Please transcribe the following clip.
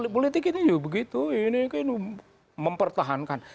politik ini juga begitu ini mempertahankan